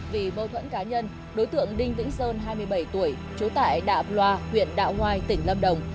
vì bâu thuẫn cá nhân đối tượng đinh vĩnh sơn hai mươi bảy tuổi trú tại đạp loa huyện đạo hoai tỉnh lâm đồng